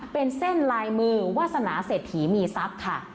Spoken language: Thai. เป็นเส้นลายมือวาสนาเสร็จถีมีซับค่ะ